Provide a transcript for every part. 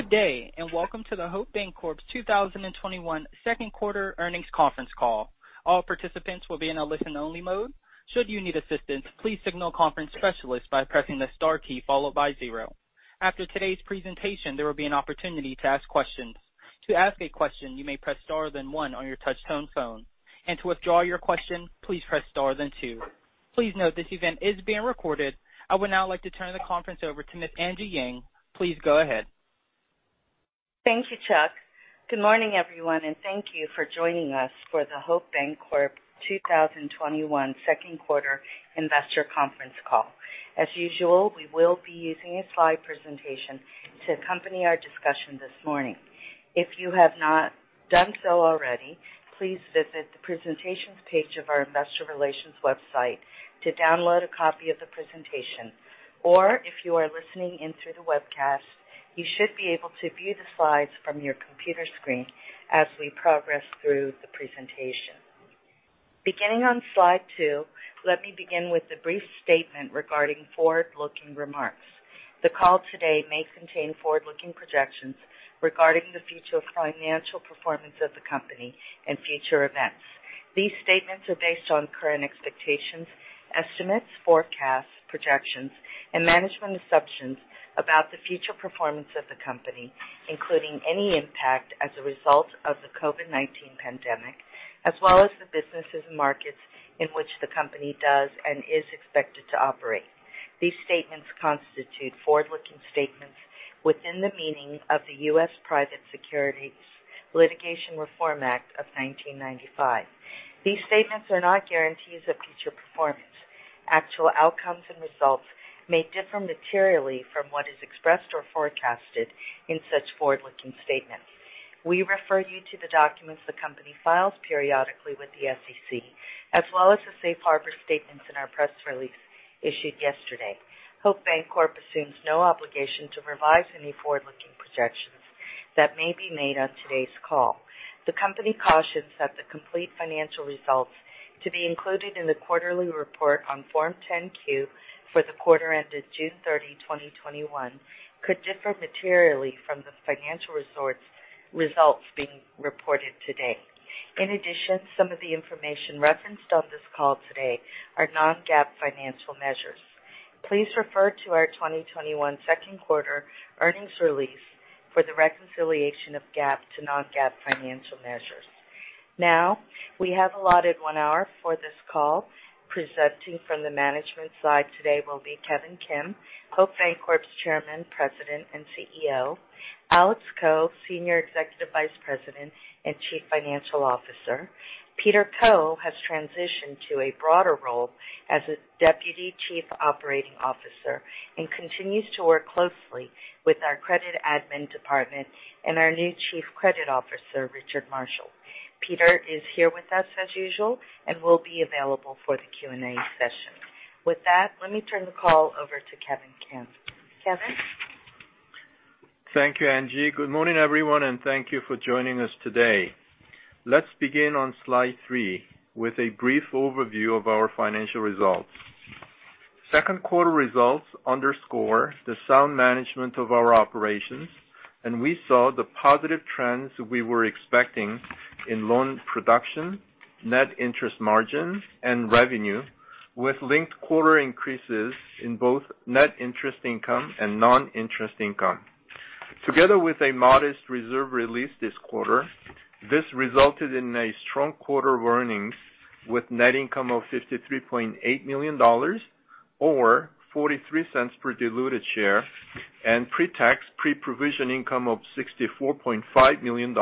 Good day, and welcome to the Hope Bancorp's 2021 second quarter earnings conference call. All participants will be in a listen-only mode. Should you need assistance, please signal a conference specialist by pressing the star key followed by zero. After today's presentation, there will be an opportunity to ask questions. To ask a question, you may press star then one on your touch-tone phone. And to withdraw your question, please press star then two. Please note this event is being recorded. I would now like to turn the conference over to Miss Angie Yang. Please go ahead. Thank you, Chuck. Good morning, everyone, and thank you for joining us for the Hope Bancorp 2021 second quarter investor conference call. As usual, we will be using a slide presentation to accompany our discussion this morning. If you have not done so already, please visit the presentations page of our investor relations website to download a copy of the presentation. If you are listening in through the webcast, you should be able to view the slides from your computer screen as we progress through the presentation. Beginning on slide two, let me begin with a brief statement regarding forward-looking remarks. The call today may contain forward-looking projections regarding the future financial performance of the company and future events. These statements are based on current expectations, estimates, forecasts, projections, and management assumptions about the future performance of the company, including any impact as a result of the COVID-19 pandemic, as well as the businesses and markets in which the company does and is expected to operate. These statements constitute forward-looking statements within the meaning of the US Private Securities Litigation Reform Act of 1995. These statements are not guarantees of future performance. Actual outcomes and results may differ materially from what is expressed or forecasted in such forward-looking statements. We refer you to the documents the company files periodically with the SEC, as well as the safe harbor statements in our press release issued yesterday. Hope Bancorp assumes no obligation to revise any forward-looking projections that may be made on today's call. The company cautions that the complete financial results to be included in the quarterly report on Form 10-Q for the quarter ended June 30, 2021 could differ materially from the financial results being reported today. Some of the information referenced on this call today are non-GAAP financial measures. Please refer to our 2021 second quarter earnings release for the reconciliation of GAAP to non-GAAP financial measures. We have allotted one hour for this call. Presenting from the management side today will be Kevin Kim, Hope Bancorp's Chairman, President, and CEO. Alex Ko, Senior Executive Vice President and Chief Financial Officer. Peter Koh has transitioned to a broader role as a Deputy Chief Operating Officer and continues to work closely with our credit admin department and our new Chief Credit Officer, Richard Marshall. Peter is here with us as usual and will be available for the Q&A session. With that, let me turn the call over to Kevin Kim. Kevin? Thank you, Angie. Good morning, everyone, and thank you for joining us today. Let's begin on slide three with a brief overview of our financial results. Second quarter results underscore the sound management of our operations, and we saw the positive trends we were expecting in loan production, net interest margin, and revenue, with linked quarter increases in both net interest income and non-interest income. Together with a modest reserve release this quarter, this resulted in a strong quarter of earnings with net income of $53.8 million, or $0.43 per diluted share, and pre-tax, pre-provision income of $64.5 million,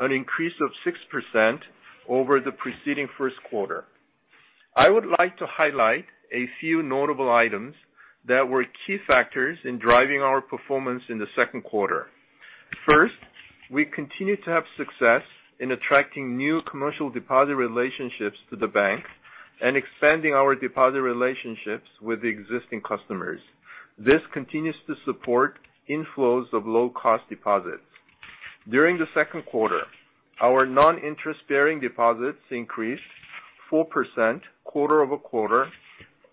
an increase of 6% over the preceding first quarter. I would like to highlight a few notable items that were key factors in driving our performance in the second quarter. First, we continue to have success in attracting new commercial deposit relationships to the bank and expanding our deposit relationships with the existing customers. This continues to support inflows of low-cost deposits. During the second quarter, our non-interest-bearing deposits increased 4% quarter-over-quarter,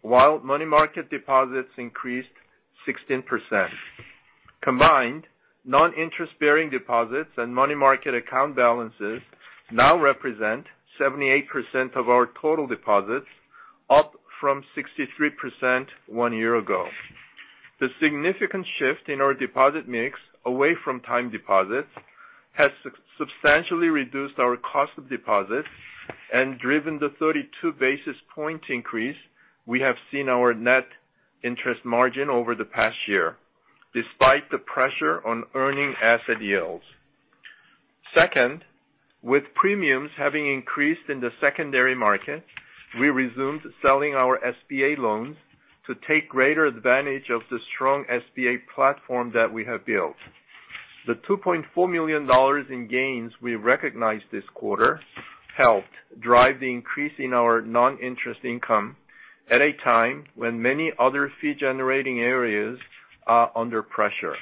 while money market deposits increased 16%. Combined, non-interest-bearing deposits and money market account balances now represent 78% of our total deposits, up from 63% one year ago. The significant shift in our deposit mix away from time deposits has substantially reduced our cost of deposits and driven the 32 basis point increase we have seen in our net interest margin over the past year, despite the pressure on earning asset yields. Second, with premiums having increased in the secondary market, we resumed selling our SBA loans to take greater advantage of the strong SBA platform that we have built. The $2.4 million in gains we recognized this quarter helped drive the increase in our non-interest income at a time when many other fee-generating areas are under pressure.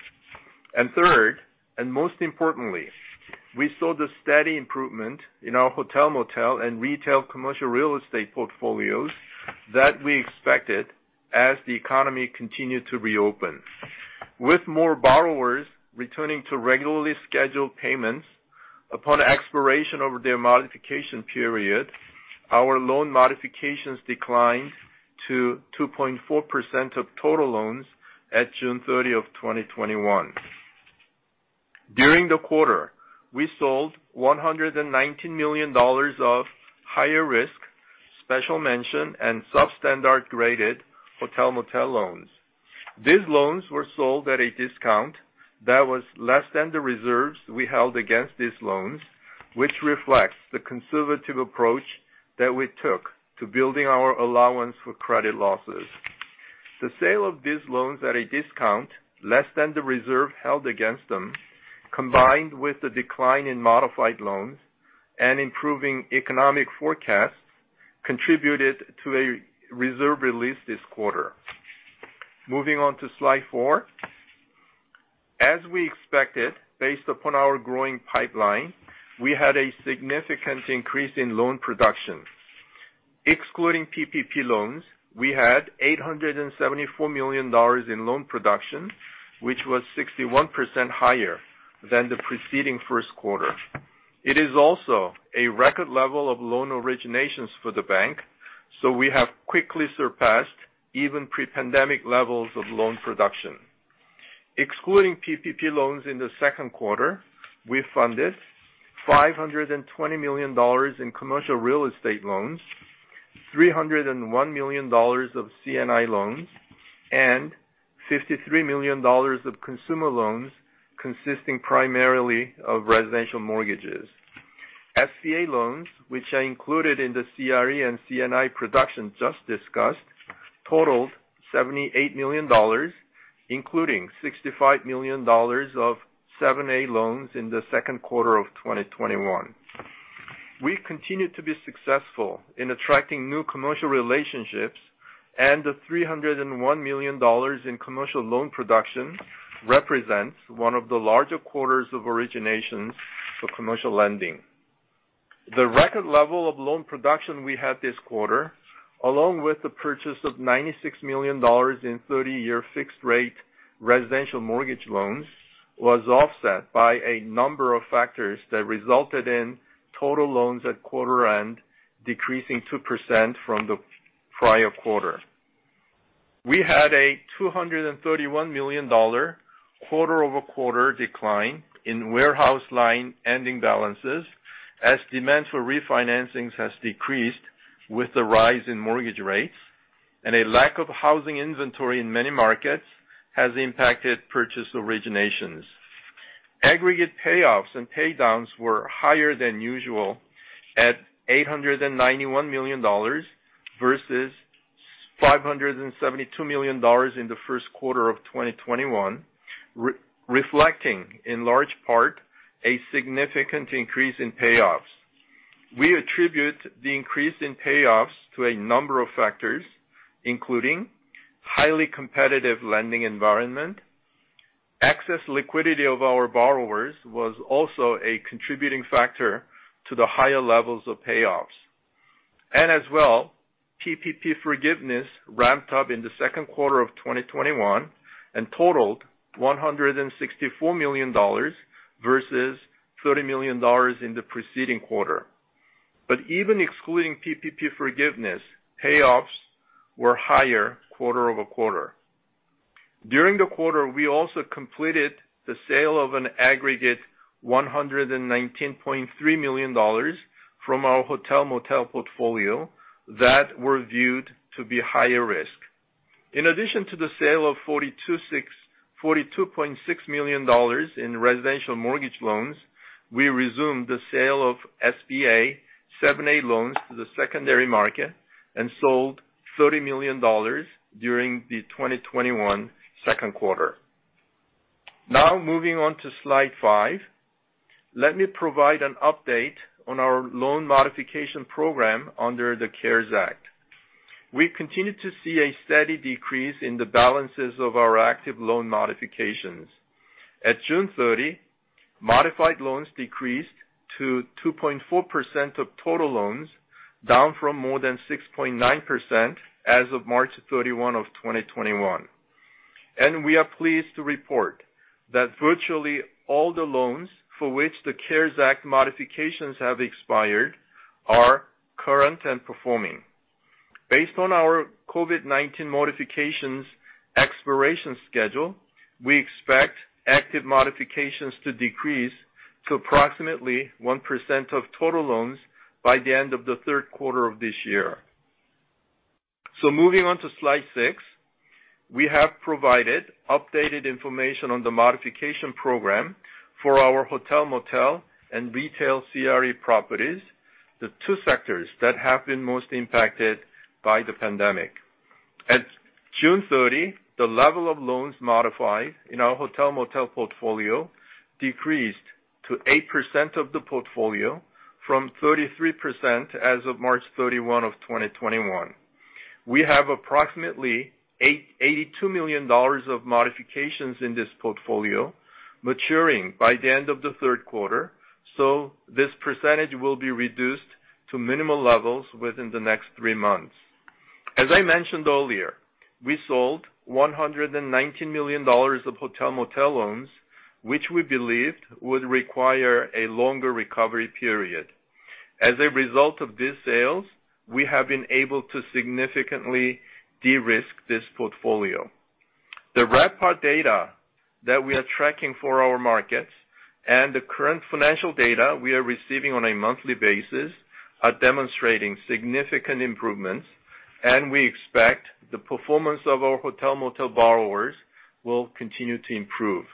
Third, and most importantly, we saw the steady improvement in our hotel/motel and retail commercial real estate portfolios that we expected as the economy continued to reopen. With more borrowers returning to regularly scheduled payments upon expiration of their modification period, our loan modifications declined to 2.4% of total loans at June 30 of 2021. During the quarter, we sold $119 million of higher risk, special mention, and substandard graded hotel/motel loans. These loans were sold at a discount that was less than the reserves we held against these loans, which reflects the conservative approach that we took to building our allowance for credit losses. The sale of these loans at a discount less than the reserve held against them, combined with the decline in modified loans and improving economic forecasts, contributed to a reserve release this quarter. Moving on to slide four. As we expected, based upon our growing pipeline, we had a significant increase in loan production. Excluding PPP loans, we had $874 million in loan production, which was 61% higher than the preceding first quarter. It is also a record level of loan originations for the bank, so we have quickly surpassed even pre-pandemic levels of loan production. Excluding PPP loans in the second quarter, we funded $520 million in commercial real estate loans, $301 million of C&I loans, and $53 million of consumer loans consisting primarily of residential mortgages. SBA loans, which are included in the CRE and C&I production just discussed, totaled $78 million, including $65 million of 7(a) loans in the second quarter of 2021. We continue to be successful in attracting new commercial relationships, the $301 million in commercial loan production represents one of the larger quarters of originations for commercial lending. The record level of loan production we had this quarter, along with the purchase of $96 million in 30-year fixed rate residential mortgage loans, was offset by a number of factors that resulted in total loans at quarter end decreasing 2% from the prior quarter. We had a $231 million quarter-over-quarter decline in warehouse line ending balances as demand for refinancings has decreased with the rise in mortgage rates, and a lack of housing inventory in many markets has impacted purchase originations. Aggregate payoffs and paydowns were higher than usual at $891 million versus $572 million in the first quarter of 2021, reflecting, in large part, a significant increase in payoffs. We attribute the increase in payoffs to a number of factors, including highly competitive lending environment. Excess liquidity of our borrowers was also a contributing factor to the higher levels of payoffs. As well, PPP forgiveness ramped up in the second quarter of 2021 and totaled $164 million versus $30 million in the preceding quarter. Even excluding PPP forgiveness, payoffs were higher quarter-over-quarter. During the quarter, we also completed the sale of an aggregate $119.3 million from our hotel/motel portfolio that were viewed to be higher risk. In addition to the sale of $42.6 million in residential mortgage loans, we resumed the sale of SBA 7(a) loans to the secondary market and sold $30 million during the 2021 second quarter. Moving on to slide five. Let me provide an update on our loan modification program under the CARES Act. We continue to see a steady decrease in the balances of our active loan modifications. At June 30, modified loans decreased to 2.4% of total loans, down from more than 6.9% as of March 31 of 2021. We are pleased to report that virtually all the loans for which the CARES Act modifications have expired are current and performing. Based on our COVID-19 modifications expiration schedule, we expect active modifications to decrease to approximately 1% of total loans by the end of the third quarter of this year. Moving on to slide six. We have provided updated information on the modification program for our hotel/motel and retail CRE properties, the two sectors that have been most impacted by the pandemic. At June 30, the level of loans modified in our hotel/motel portfolio decreased to 8% of the portfolio from 33% as of March 31 of 2021. We have approximately $82 million of modifications in this portfolio maturing by the end of the third quarter. This percentage will be reduced to minimal levels within the next three months. As I mentioned earlier, we sold $119 million of hotel/motel loans, which we believed would require a longer recovery period. As a result of these sales, we have been able to significantly de-risk this portfolio. The RevPAR data that we are tracking for our markets and the current financial data we are receiving on a monthly basis are demonstrating significant improvements, and we expect the performance of our hotel/motel borrowers will continue to improve.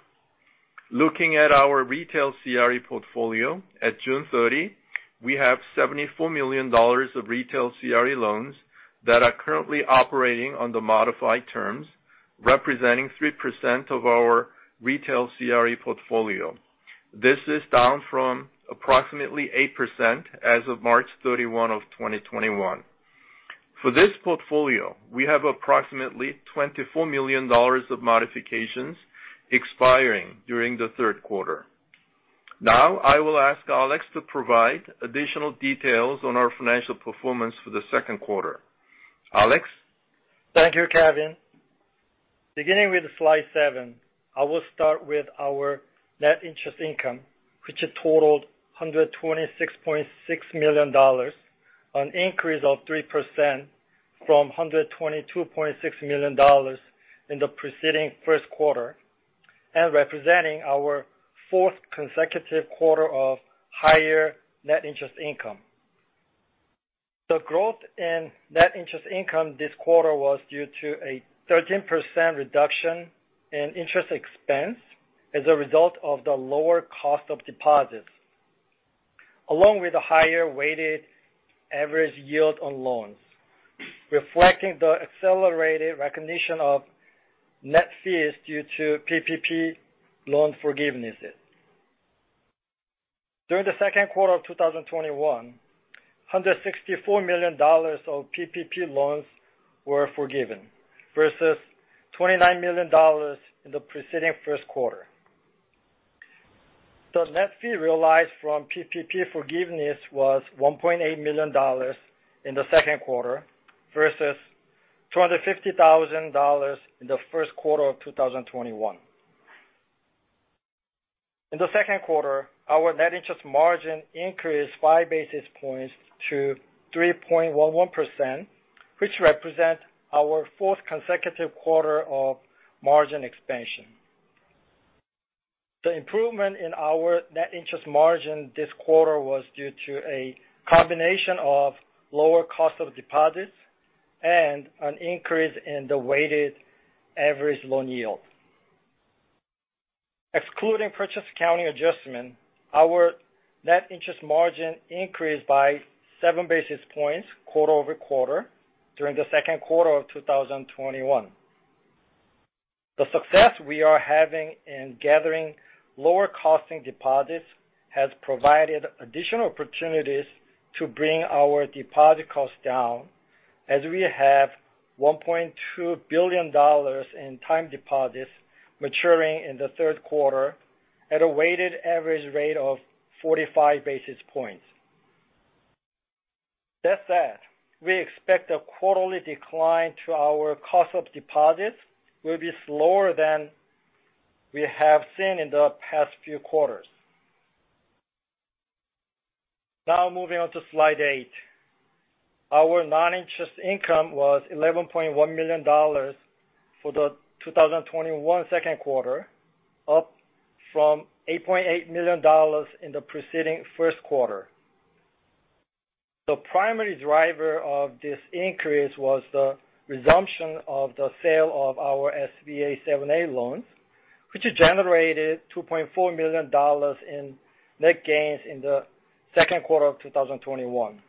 Looking at our retail CRE portfolio at June 30, we have $74 million of retail CRE loans that are currently operating on the modified terms, representing 3% of our retail CRE portfolio. This is down from approximately 8% as of March 31 of 2021. For this portfolio, we have approximately $24 million of modifications expiring during the third quarter. Now, I will ask Alex to provide additional details on our financial performance for the second quarter. Alex? Thank you, Kevin. Beginning with slide seven, I will start with our net interest income, which totaled $126.6 million, an increase of 3% from $122.6 million in the preceding first quarter, representing our fourth consecutive quarter of higher net interest income. The growth in net interest income this quarter was due to a 13% reduction in interest expense as a result of the lower cost of deposits, along with a higher weighted average yield on loans, reflecting the accelerated recognition of net fees due to PPP loan forgivenesses. During the second quarter of 2021, $164 million of PPP loans were forgiven versus $29 million in the preceding first quarter. The net fee realized from PPP forgiveness was $1.8 million in the second quarter versus $250,000 in the first quarter of 2021. In the second quarter, our net interest margin increased 5 basis points to 3.11%, which represent our fourth consecutive quarter of margin expansion. The improvement in our net interest margin this quarter was due to a combination of lower cost of deposits and an increase in the weighted average loan yield. Excluding purchase accounting adjustment, our net interest margin increased by 7 basis points quarter-over-quarter during the second quarter of 2021. The success we are having in gathering lower costing deposits has provided additional opportunities to bring our deposit costs down as we have $1.2 billion in time deposits maturing in the third quarter at a weighted average rate of 45 basis points. That said, we expect a quarterly decline to our cost of deposits will be slower than we have seen in the past few quarters. Now moving on to slide eight. Our non-interest income was $11.1 million for the 2021 second quarter, up from $8.8 million in the preceding first quarter. The primary driver of this increase was the resumption of the sale of our SBA 7(a) loans, which generated $2.4 million in net gains in the second quarter of 2021.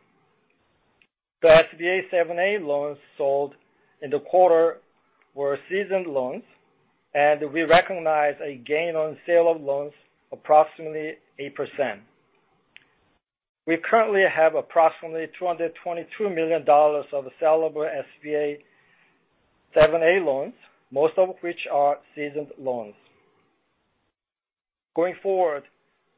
The SBA 7(a) loans sold in the quarter were seasoned loans, and we recognize a gain on sale of loans approximately 8%. We currently have approximately $222 million of sellable SBA 7(a) loans, most of which are seasoned loans. Going forward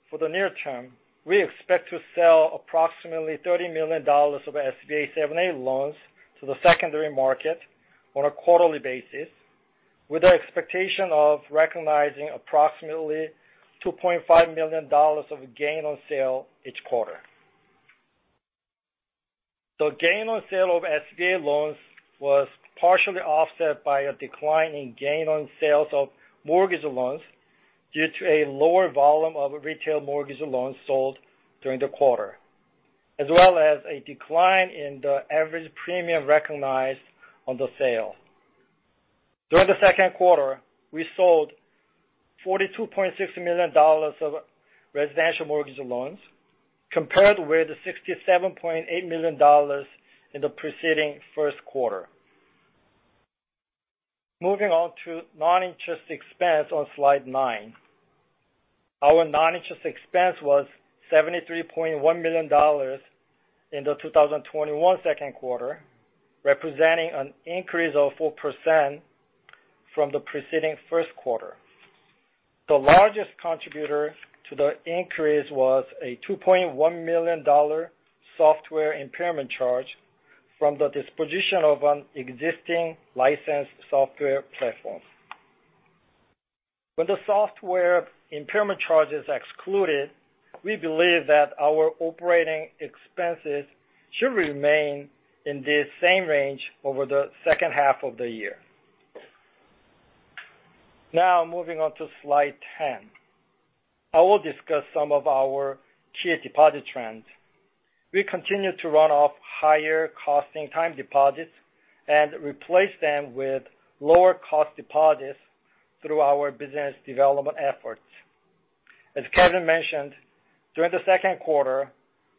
for the near term, we expect to sell approximately $30 million of SBA 7(a) loans to the secondary market on a quarterly basis, with the expectation of recognizing approximately $2.5 million of gain on sale each quarter. The gain on sale of SBA loans was partially offset by a decline in gain on sales of mortgage loans due to a lower volume of retail mortgage loans sold during the quarter, as well as a decline in the average premium recognized on the sale. During the second quarter, we sold $42.6 million of residential mortgage loans compared with the $67.8 million in the preceding first quarter. Moving on to non-interest expense on slide nine. Our non-interest expense was $73.1 million in the 2021 second quarter, representing an increase of 4% from the preceding first quarter. The largest contributor to the increase was a $2.1 million software impairment charge from the disposition of an existing licensed software platform. With the software impairment charges excluded, we believe that our operating expenses should remain in this same range over the second half of the year. Moving on to slide 10. I will discuss some of our tier deposit trends. We continue to run off higher costing time deposits and replace them with lower cost deposits through our business development efforts. As Kevin mentioned, during the second quarter,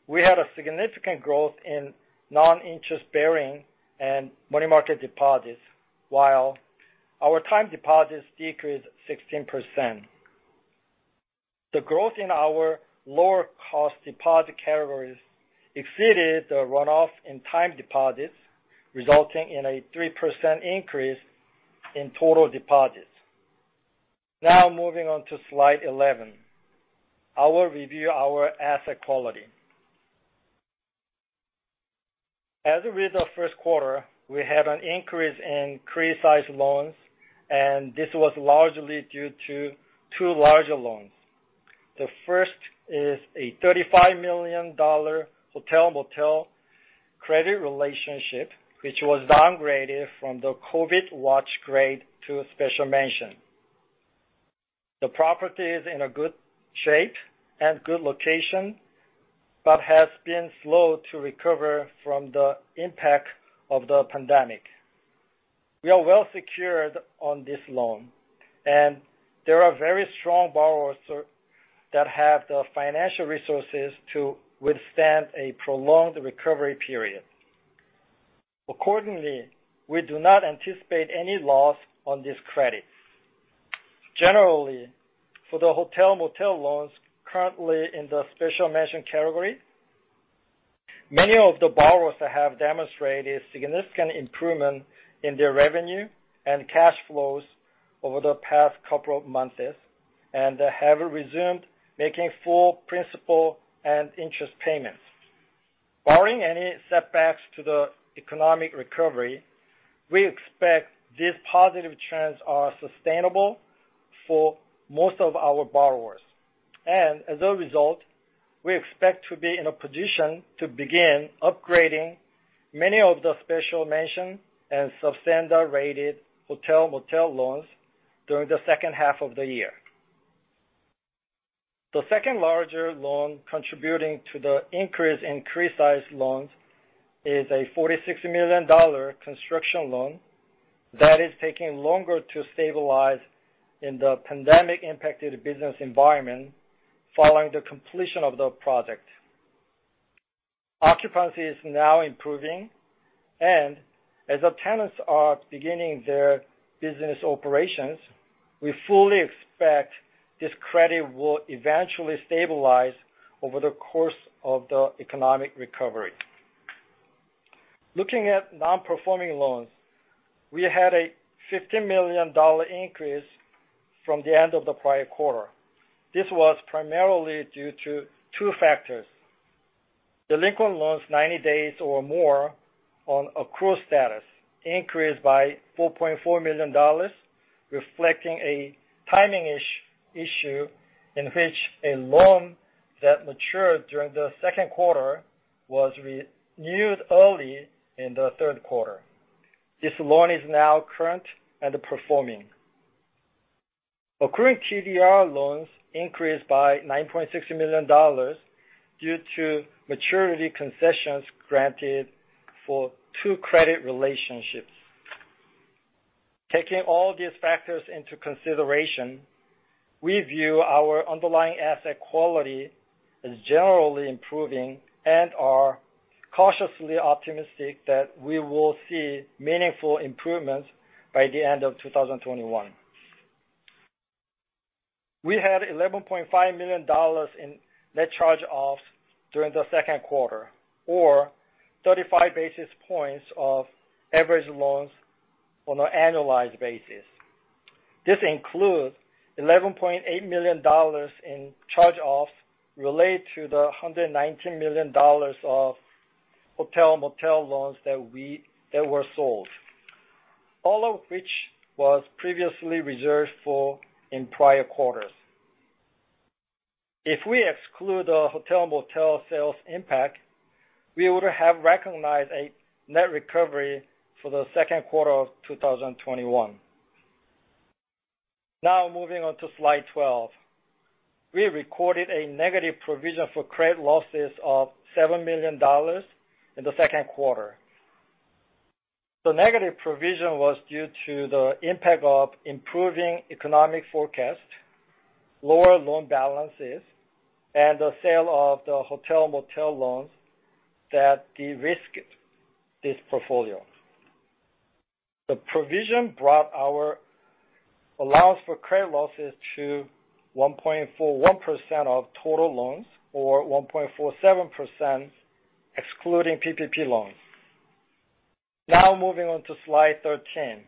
we had a significant growth in non-interest bearing and money market deposits, while our time deposits decreased 16%. The growth in our lower cost deposit categories exceeded the runoff in time deposits, resulting in a 3% increase in total deposits. Moving on to slide 11. I will review our asset quality. As with the first quarter, we had an increase in criticized loans, this was largely due to two larger loans. The first is a $35 million hotel/motel credit relationship, which was downgraded from the COVID watch grade to a special mention. The property is in a good shape and good location, but has been slow to recover from the impact of the pandemic. We are well secured on this loan, and they are very strong borrowers that have the financial resources to withstand a prolonged recovery period. Accordingly, we do not anticipate any loss on this credit. Generally, for the hotel/motel loans currently in the special mention category, many of the borrowers have demonstrated significant improvement in their revenue and cash flows over the past couple of months, and have resumed making full principal and interest payments. Barring any setbacks to the economic recovery, we expect these positive trends are sustainable for most of our borrowers. As a result, we expect to be in a position to begin upgrading many of the special mention and sub-standard rated hotel/motel loans during the second half of the year. The second larger loan contributing to the increase in criticized loans is a $46 million construction loan that is taking longer to stabilize in the pandemic-impacted business environment following the completion of the project. Occupancy is now improving, and as the tenants are beginning their business operations, we fully expect this credit will eventually stabilize over the course of the economic recovery. Looking at non-performing loans, we had a $15 million increase from the end of the prior quarter. This was primarily due to two factors. Delinquent loans 90 days or more on accrual status increased by $4.4 million, reflecting a timing issue in which a loan that matured during the second quarter was renewed early in the third quarter. This loan is now current and performing. Accruing TDR loans increased by $9.6 million due to maturity concessions granted for two credit relationships. Taking all these factors into consideration, we view our underlying asset quality as generally improving and are cautiously optimistic that we will see meaningful improvements by the end of 2021. We had $11.5 million in net charge-offs during the second quarter, or 35 basis points of average loans on an annualized basis. This includes $11.8 million in charge-offs related to the $119 million of hotel/motel loans that were sold, all of which was previously reserved for in prior quarters. If we exclude the hotel/motel sales impact, we would have recognized a net recovery for the second quarter of 2021. Moving on to slide 12. We recorded a negative provision for credit losses of $7 million in the second quarter. The negative provision was due to the impact of improving economic forecasts, lower loan balances and the sale of the hotel/motel loans that de-risked this portfolio. The provision brought our allowance for credit losses to 1.41% of total loans, or 1.47% excluding PPP loans. Moving on to slide 13.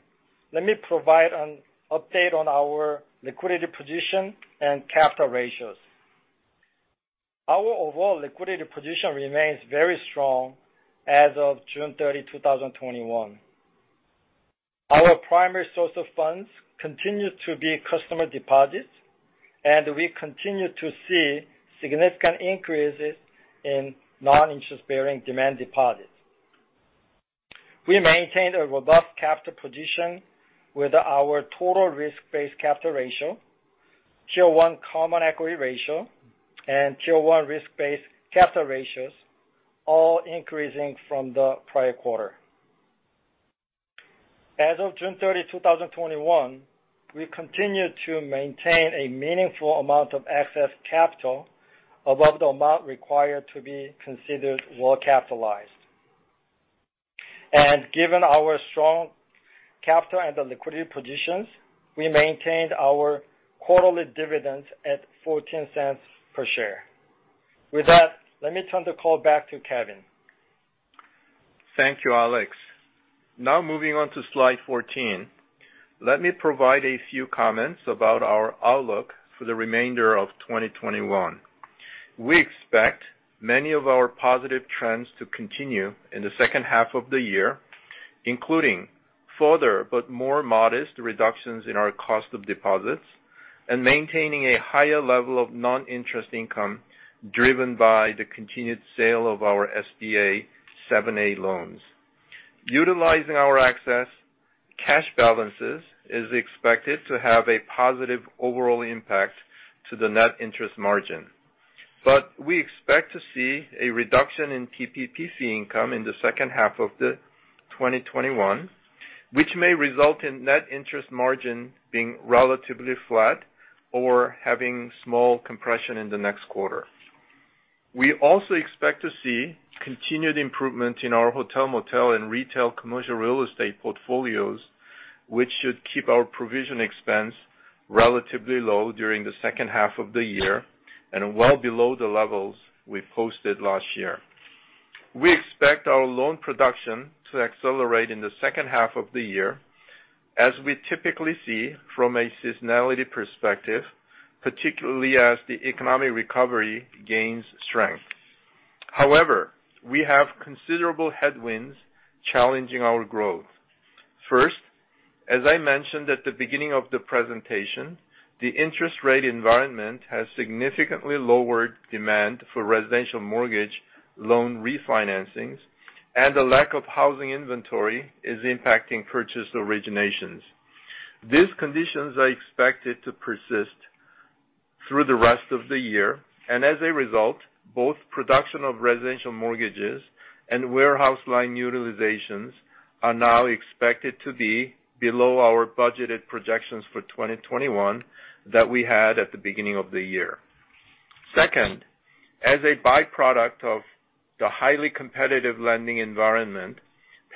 Let me provide an update on our liquidity position and capital ratios. Our overall liquidity position remains very strong as of June 30, 2021. Our primary source of funds continue to be customer deposits, and we continue to see significant increases in non-interest-bearing demand deposits. We maintained a robust capital position with our total risk-based capital ratio, Common Equity Tier 1 ratio, and Tier 1 risk-based capital ratios, all increasing from the prior quarter. As of June 30, 2021, we continue to maintain a meaningful amount of excess capital above the amount required to be considered well capitalized. Given our strong capital and liquidity positions, we maintained our quarterly dividends at $0.14 per share. With that, let me turn the call back to Kevin. Thank you, Alex. Moving on to slide 14. Let me provide a few comments about our outlook for the remainder of 2021. We expect many of our positive trends to continue in the second half of the year, including further but more modest reductions in our cost of deposits and maintaining a higher level of non-interest income driven by the continued sale of our SBA 7(a) loans. Utilizing our excess cash balances is expected to have a positive overall impact to the net interest margin. We expect to see a reduction in PPP income in the second half of 2021, which may result in net interest margin being relatively flat or having small compression in the next quarter. We also expect to see continued improvement in our hotel, motel, and retail commercial real estate portfolios, which should keep our provision expense relatively low during the second half of the year and well below the levels we posted last year. We expect our loan production to accelerate in the second half of the year as we typically see from a seasonality perspective, particularly as the economic recovery gains strength. However, we have considerable headwinds challenging our growth. First, as I mentioned at the beginning of the presentation, the interest rate environment has significantly lowered demand for residential mortgage loan refinancings, and the lack of housing inventory is impacting purchase originations. These conditions are expected to persist through the rest of the year. As a result, both production of residential mortgages and warehouse line utilizations are now expected to be below our budgeted projections for 2021 that we had at the beginning of the year. Second, as a byproduct of the highly competitive lending environment,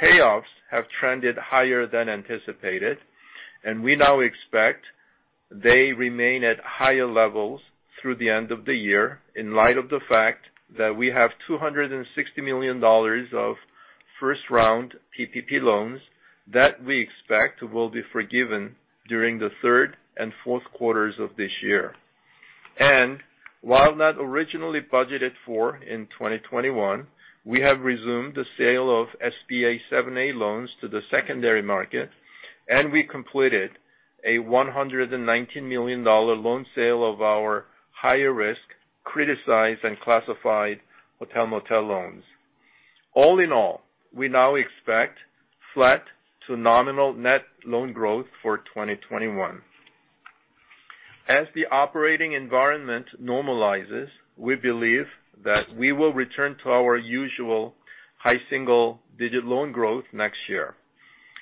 payoffs have trended higher than anticipated. We now expect they remain at higher levels through the end of the year in light of the fact that we have $260 million of first-round PPP loans that we expect will be forgiven during the third and fourth quarters of this year. While not originally budgeted for in 2021, we have resumed the sale of SBA 7(a) loans to the secondary market. We completed a $119 million loan sale of our higher risk, criticized and classified hotel/motel loans. All in all, we now expect flat to nominal net loan growth for 2021. As the operating environment normalizes, we believe that we will return to our usual high single-digit loan growth next year.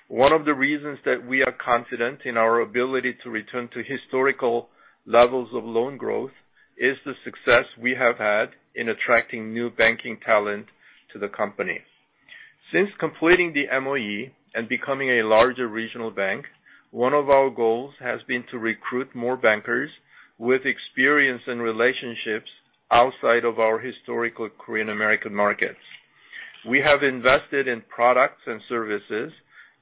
One of the reasons that we are confident in our ability to return to historical levels of loan growth is the success we have had in attracting new banking talent to the company. Since completing the MOE and becoming a larger regional bank, one of our goals has been to recruit more bankers with experience and relationships outside of our historical Korean-American markets. We have invested in products and services,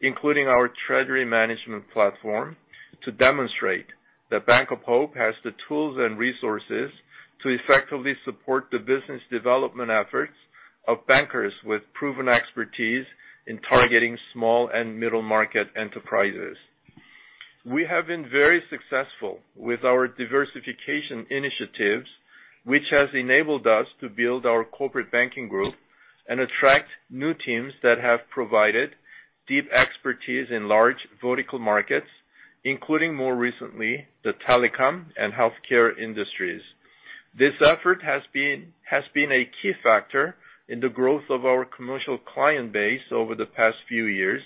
including our treasury management platform, to demonstrate that Bank of Hope has the tools and resources to effectively support the business development efforts of bankers with proven expertise in targeting small and middle market enterprises. We have been very successful with our diversification initiatives, which has enabled us to build our corporate banking group and attract new teams that have provided deep expertise in large vertical markets, including more recently, the telecom and healthcare industries. This effort has been a key factor in the growth of our commercial client base over the past few years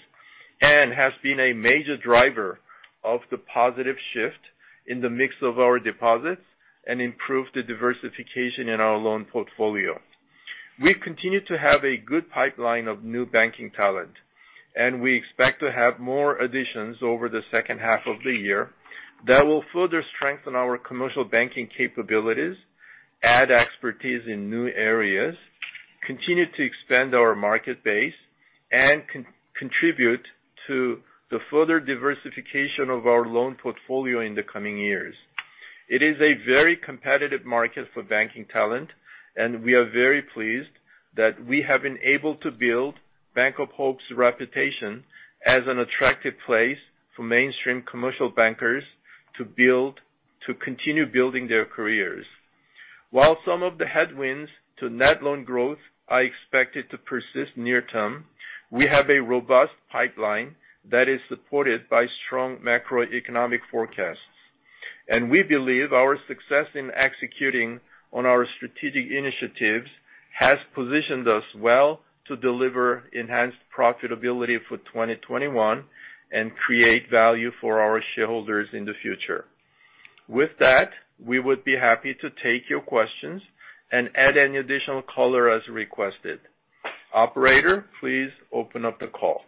and has been a major driver of the positive shift in the mix of our deposits and improved the diversification in our loan portfolio. We've continued to have a good pipeline of new banking talent, and we expect to have more additions over the second half of the year that will further strengthen our commercial banking capabilities, add expertise in new areas, continue to expand our market base, and contribute to the further diversification of our loan portfolio in the coming years. It is a very competitive market for banking talent. We are very pleased that we have been able to build Bank of Hope's reputation as an attractive place for mainstream commercial bankers to continue building their careers. While some of the headwinds to net loan growth are expected to persist near term, we have a robust pipeline that is supported by strong macroeconomic forecasts. We believe our success in executing on our strategic initiatives has positioned us well to deliver enhanced profitability for 2021 and create value for our shareholders in the future. With that, we would be happy to take your questions and add any additional color as requested. Operator, please open up the call.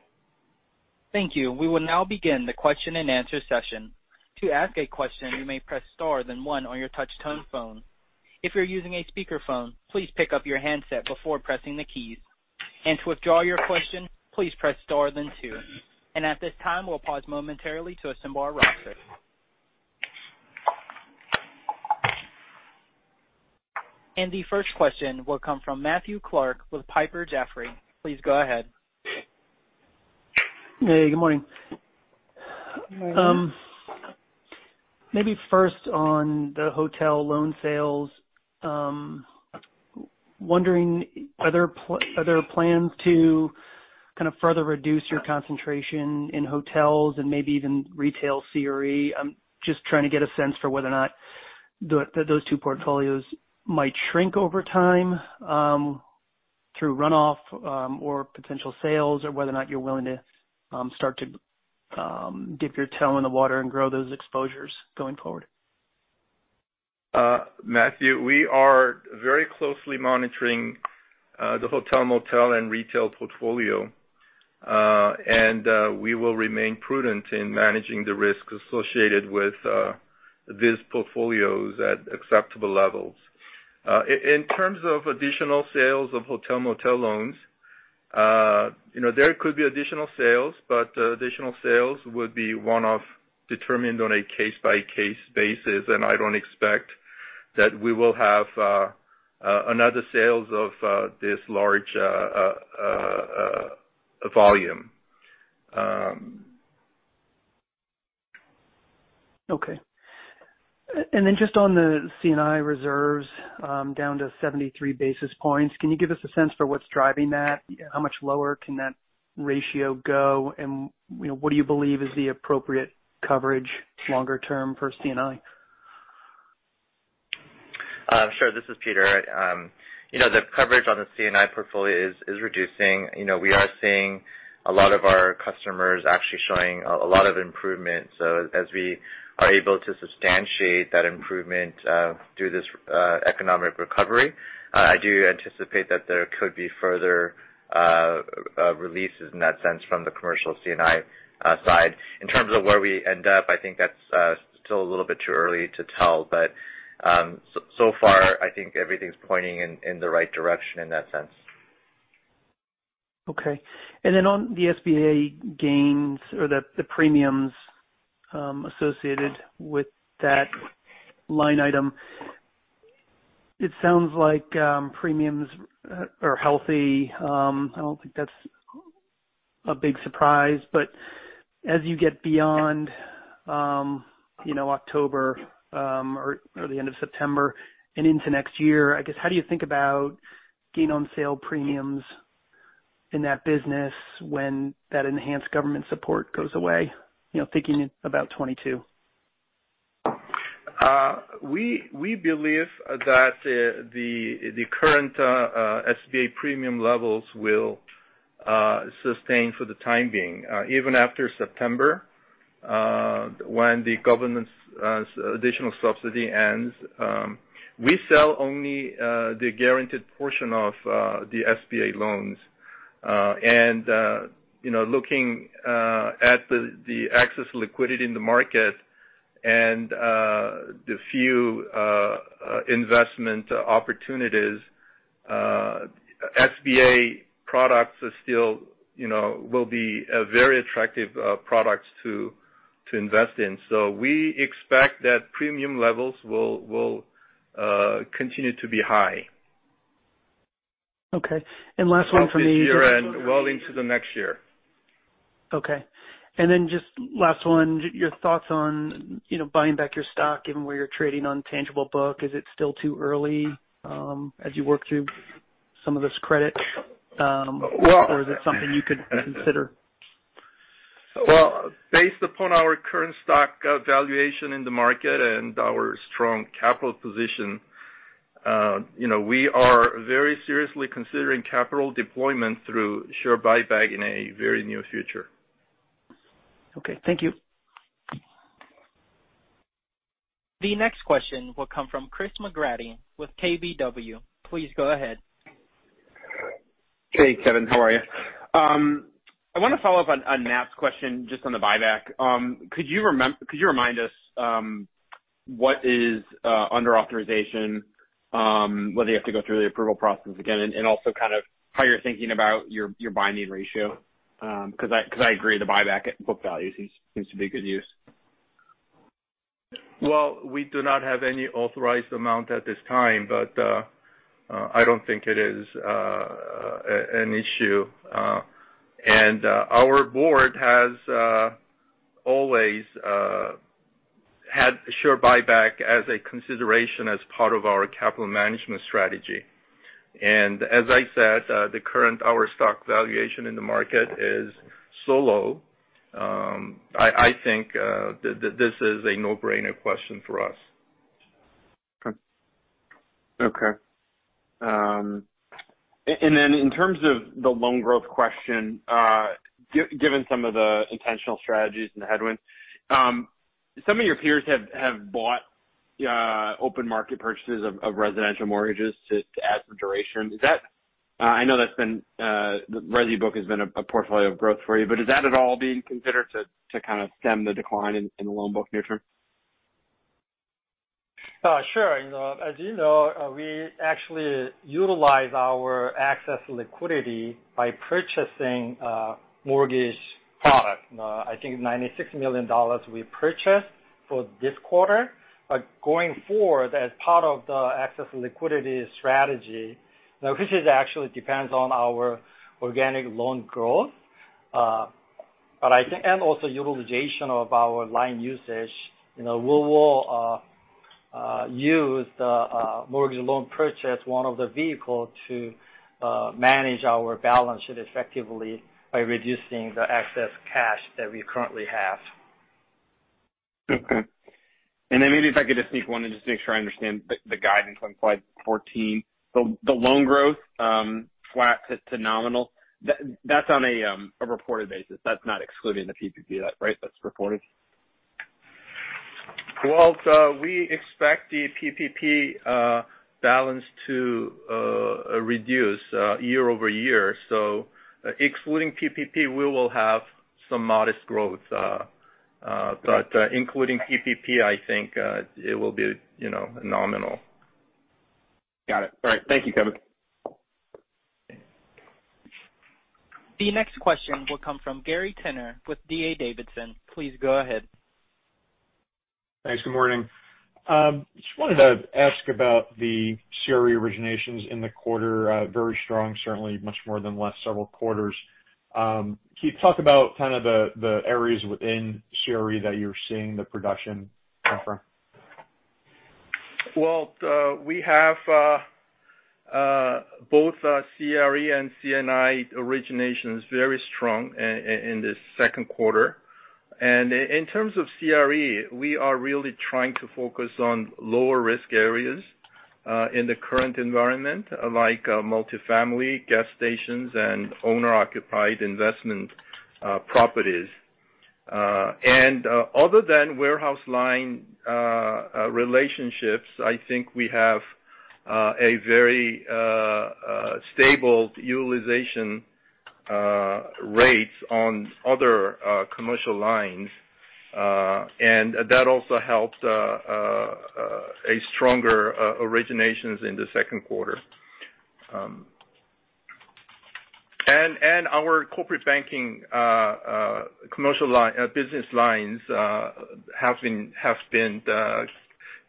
Thank you. We will now begin the question and answer session. To ask a question, you may press star, then one on your touch-tone phone. If you're using a speakerphone, please pick up your handset before pressing the keys. To withdraw your question, please press star then two. At this time, we'll pause momentarily to assemble our roster. The first question will come from Matthew Clark with Piper Sandler. Please go ahead. Hey, good morning. Morning. First on the hotel loan sales. Wondering, are there plans to kind of further reduce your concentration in hotels and maybe even retail CRE? I'm just trying to get a sense for whether or not those two portfolios might shrink over time through runoff or potential sales or whether or not you're willing to start to dip your toe in the water and grow those exposures going forward. Matthew, we are very closely monitoring the hotel/motel and retail portfolio. We will remain prudent in managing the risks associated with these portfolios at acceptable levels. In terms of additional sales of hotel/motel loans, there could be additional sales, but additional sales would be one of determined on a case-by-case basis, and I don't expect that we will have another sales of this large volume. Okay. Just on the C&I reserves down to 73 basis points, can you give us a sense for what's driving that? How much lower can that ratio go? What do you believe is the appropriate coverage longer term for C&I? Sure. This is Peter. The coverage on the C&I portfolio is reducing. We are seeing a lot of our customers actually showing a lot of improvement. As we are able to substantiate that improvement through this economic recovery, I do anticipate that there could be further releases in that sense from the commercial C&I side. In terms of where we end up, I think that's still a little bit too early to tell, but so far I think everything's pointing in the right direction in that sense. On the SBA gains or the premiums associated with that line item, it sounds like premiums are healthy. I don't think that's a big surprise, but as you get beyond October or the end of September and into next year, I guess, how do you think about gain on sale premiums in that business when that enhanced government support goes away? Thinking about 2022. We believe that the current SBA premium levels will sustain for the time being even after September when the government's additional subsidy ends. We sell only the guaranteed portion of the SBA loans. Looking at the excess liquidity in the market and the few investment opportunities, SBA products will be very attractive products to invest in. We expect that premium levels will continue to be high. Okay. Last one for me. Throughout this year and well into the next year. Okay. Just last one, your thoughts on buying back your stock, given where you're trading on tangible book. Is it still too early as you work through some of this? Well- Is it something you could consider? Well, based upon our current stock valuation in the market and our strong capital position, we are very seriously considering capital deployment through share buyback in a very near future. Okay, thank you. The next question will come from Chris McGratty with KBW. Please go ahead. Hey, Kevin. How are you? I want to follow up on Matt's question just on the buyback. Could you remind us what is under authorization, whether you have to go through the approval process again, and also how you're thinking about your binding ratio? I agree the buyback at book value seems to be a good use. Well, we do not have any authorized amount at this time. I don't think it is an issue. Our board has always had share buyback as a consideration as part of our capital management strategy. As I said, the current, our stock valuation in the market is so low. I think this is a no-brainer question for us. Okay. In terms of the loan growth question, given some of the intentional strategies and the headwinds. Some of your peers have bought open market purchases of residential mortgages to add some duration. I know the resi book has been a portfolio of growth for you, but is that at all being considered to stem the decline in the loan book near-term? Sure. As you know, we actually utilize our excess liquidity by purchasing mortgage product. I think $96 million we purchased for this quarter. Going forward, as part of the excess liquidity strategy, which actually depends on our organic loan growth, and also utilization of our line usage. We will use the mortgage loan purchase, one of the vehicles to manage our balance sheet effectively by reducing the excess cash that we currently have. Okay. Maybe if I could just sneak one in just to make sure I understand the guidance on slide 14. The loan growth, flat to nominal, that's on a reported basis. That's not excluding the PPP, right? That's reported. Well, we expect the PPP balance to reduce year-over-year. Excluding PPP, we will have some modest growth. Including PPP, I think it will be nominal. Got it. All right. Thank you, Kevin. The next question will come from Gary Tenner with D.A. Davidson. Please go ahead. Thanks. Good morning. Just wanted to ask about the CRE originations in the quarter. Very strong, certainly much more than the last several quarters. Can you talk about the areas within CRE that you're seeing the production come from? Well, we have both CRE and C&I originations very strong in this second quarter. In terms of CRE, we are really trying to focus on lower risk areas in the current environment, like multifamily gas stations and owner-occupied investment properties. Other than warehouse line relationships, I think we have a very stable utilization rates on other commercial lines. That also helped a stronger originations in the second quarter. Our corporate banking business lines have been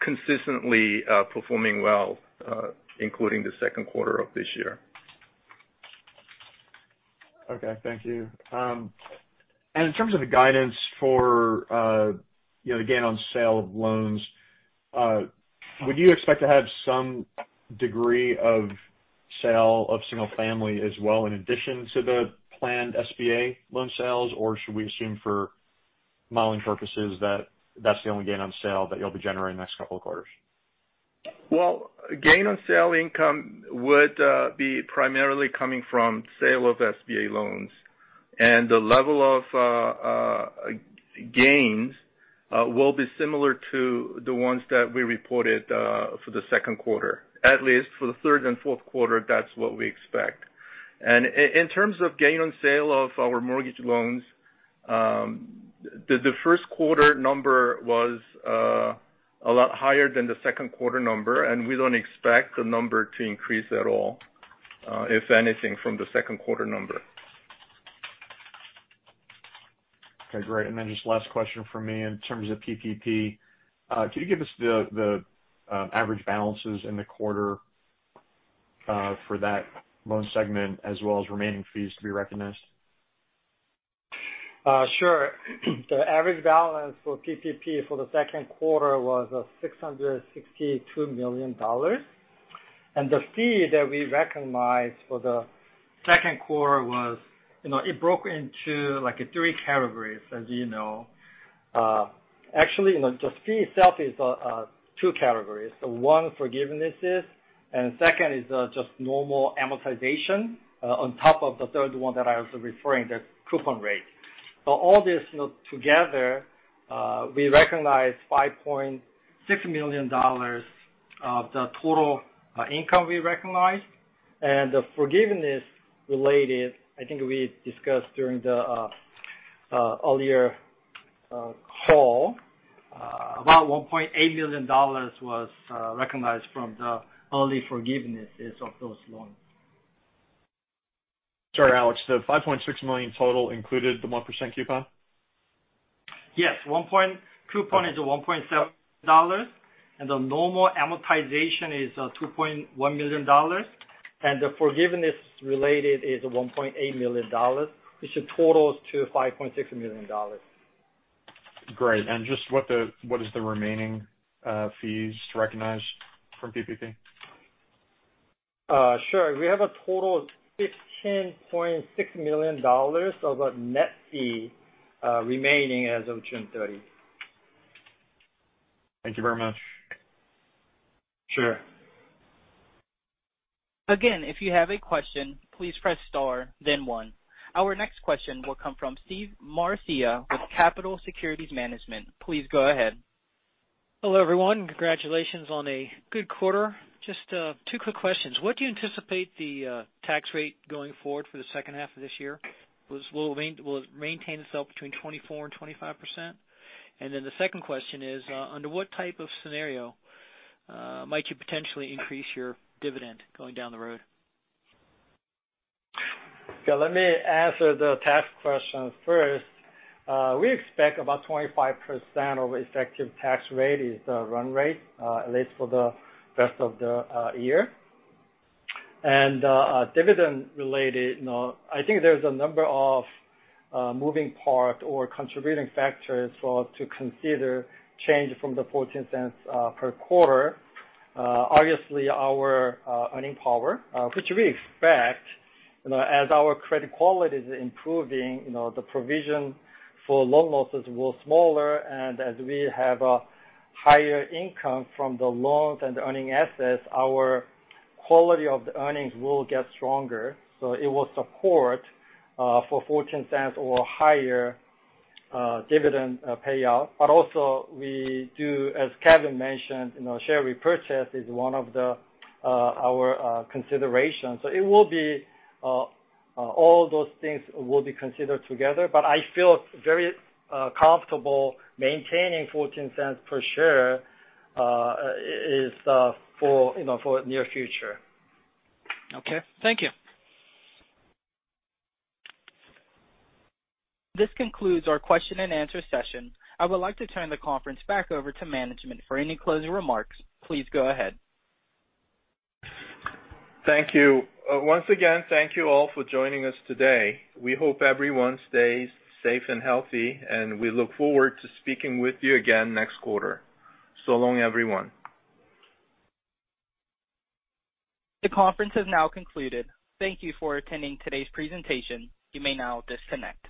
consistently performing well, including the second quarter of this year. Okay, thank you. In terms of the guidance for gain on sale of loans, would you expect to have some degree of sale of single family as well, in addition to the planned SBA loan sales? Should we assume for modeling purposes that that's the only gain on sale that you'll be generating next couple of quarters? Well, gain on sale income would be primarily coming from sale of SBA loans. The level of gains will be similar to the ones that we reported for the second quarter. At least for the third and fourth quarter, that's what we expect. In terms of gain on sale of our mortgage loans, the first quarter number was a lot higher than the second quarter number, and we don't expect the number to increase at all, if anything, from the second quarter number. Okay, great. Then just last question from me. In terms of PPP, could you give us the average balances in the quarter for that loan segment as well as remaining fees to be recognized? Sure. The average balance for PPP for the second quarter was $662 million. The fee that we recognized for the second quarter was, it broke into three categories, as you know. Actually, the fee itself is two categories. One, forgivenesses, and secondis just normal amortization on top of the third one that I was referring, the coupon rate. All this together we recognize $5.6 million of the total income we recognized and the forgiveness related, I think we discussed during the earlier call about $1.8 million was recognized from the early forgivenesses of those loans. Sorry, Alex, the $5.6 million total included the 1% coupon? Yes. Coupon is $1.7 and the normal amortization is $2.1 million. The forgiveness related is $1.8 million, which totals to $5.6 million. Great. Just what is the remaining fees to recognize from PPP? Sure. We have a total of $15.6 million of net fee remaining as of June 30. Thank you very much. Sure. Again, if you have a question, please press star, then one. Our next question will come from Steve Marascia with Capitol Securities Management. Please go ahead. Hello, everyone. Congratulations on a good quarter. Just two quick questions. What do you anticipate the tax rate going forward for the second half of this year? Will it maintain itself between 24% and 25%? The second question is, under what type of scenario might you potentially increase your dividend going down the road? Okay, let me answer the tax question first. We expect about 25% of effective tax rate is the run rate at least for the rest of the year. Dividend related, I think there's a number of moving part or contributing factors for to consider change from the $0.14 per quarter. Obviously, our earning power, which we expect as our credit quality is improving, the provision for loan losses will be smaller. As we have a higher income from the loans and earning assets, our quality of the earnings will get stronger. It will support for $0.14 or higher dividend payout. Also we do, as Kevin mentioned, share repurchase is one of our considerations. All those things will be considered together. I feel very comfortable maintaining $0.14 per share for near future. Okay, thank you. This concludes our question and answer session. I would like to turn the conference back over to management for any closing remarks. Please go ahead. Thank you. Once again, thank you all for joining us today. We hope everyone stays safe and healthy, and we look forward to speaking with you again next quarter. So long, everyone. The conference has now concluded. Thank you for attending today's presentation. You may now disconnect.